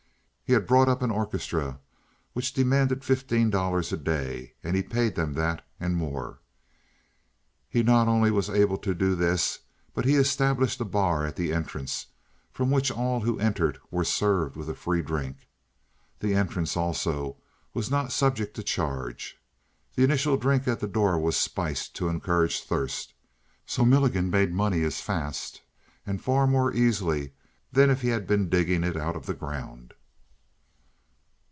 He had brought up an orchestra which demanded fifteen dollars a day and he paid them that and more. He not only was able to do this, but he established a bar at the entrance from which all who entered were served with a free drink. The entrance, also, was not subject to charge. The initial drink at the door was spiced to encourage thirst, so Milligan made money as fast, and far more easily, than if he had been digging it out of the ground.